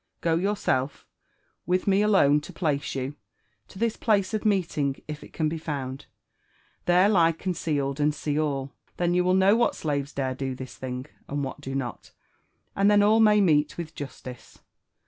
Go yourself, with me alone to placa you, to this place of meeting, if it ean be found. There lie concealed and see all. Then you will know what slaves dare do this thing, an4 what do not ; and then all may meet with justice.